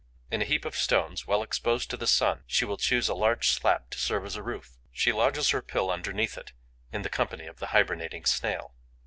In a heap of stones, well exposed to the sun, she will choose a large slab to serve as a roof. She lodges her pill underneath it, in the company of the hibernating Snail.